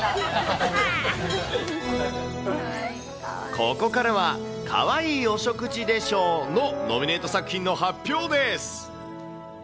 ここからは、かわいいお食事で賞のノミネート作品の発表です。